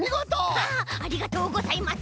ありがとうございます。